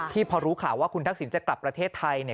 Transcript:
ที่พอรู้ข่าวว่าคุณทักศิลป์จะกลับประเทศไทย